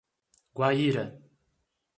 Guaíra